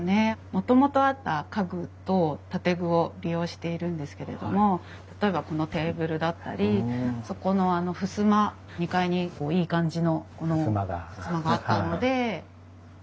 もともとあった家具と建具を利用しているんですけれども例えばこのテーブルだったりそこのふすま２階にいい感じのふすまがあったので使いました。